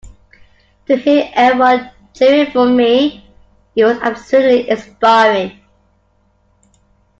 To hear everyone cheering for me, it was absolutely inspiring.